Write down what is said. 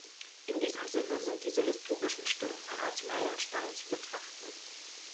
In diesem Sinne sind diese historischen Stunden als Meilenstein zu betrachten.